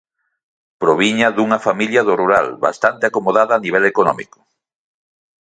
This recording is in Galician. Proviña dunha familia do rural, bastante acomodada a nivel económico.